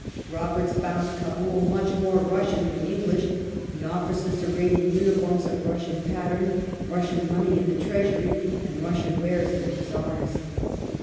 Roberts found Kabul " much more Russian than English, the officers arrayed in uniforms of Russian pattern, Russian money in the treasury, and Russian wares in the Bazaars